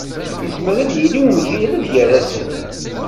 Yezmer ad yili umgired gar-asen.